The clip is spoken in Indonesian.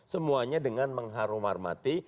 semuanya dengan mengharum harmati